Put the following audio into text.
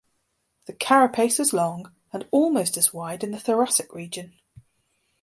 The carapace was long and almost as wide in the thoracic region.